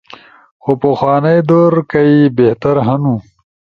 خو پخوانئی دور کئی بہتر ہنو۔